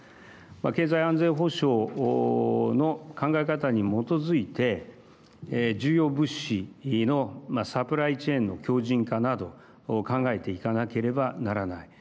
経済安全保障の考え方に基づいて重要物資のサプライチェーンの強じん化など考えていかなければならない。